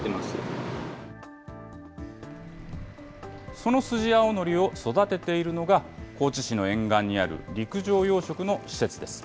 そのスジアオノリを育てているのが、高知市の沿岸にある陸上養殖の施設です。